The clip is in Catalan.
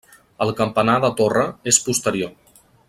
El campanar de torre és posterior.